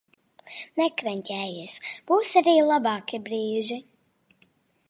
Nekreņķējies! Būs arī labāki brīži!